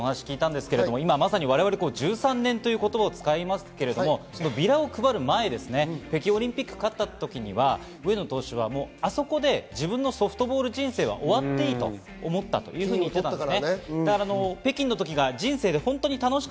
まさに１３年という言葉を使いますけれども、ビラを配る前、北京オリンピック勝った時には、上野投手はあそこで自分のソフトボール人生は終わっていいと思ったと言っていたんですよ。